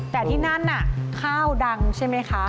แต่ที่นั่นน่ะข้าวดังใช่ไหมคะ